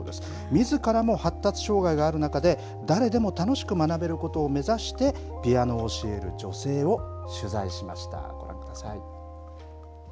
みずからも発達障害がある中で、誰でも楽しく学べることを目指して、ピアノを教える女性を取材しました。